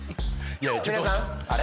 いやいやちょっとあれ？